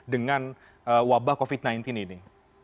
dengan wabah covid sembilan belas ini